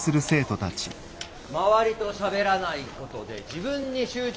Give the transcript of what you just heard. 周りとしゃべらないことで自分に集中する。